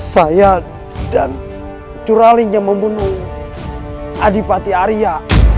saya dan curaling yang membunuh adipati arya